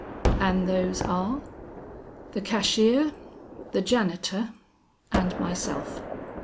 "And those are?" "The cashier, the janitor, and myself."